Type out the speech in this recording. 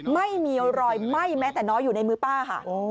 ไม่มีรอยไหม้แม้แต่น้อยอยู่ในมือป้าค่ะ